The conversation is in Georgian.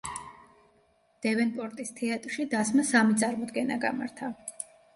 დევენპორტის თეატრში დასმა სამი წარმოდგენა გამართა.